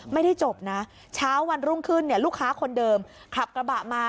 ไม่ได้จบนะเช้าวันรุ่งขึ้นเนี่ยลูกค้าคนเดิมขับกระบะมา